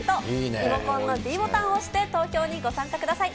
リモコンのｄボタンを押して投票にご参加ください。